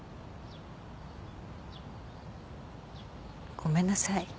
ごめんなさい。